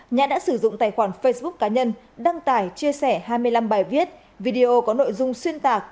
nhã đã sử dụng tài khoản facebook cá nhân đăng tải chia sẻ hai mươi năm bài viết video có nội dung xuyên tạc